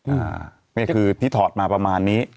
อ่านี่คือที่ถอดมาประมาณนี้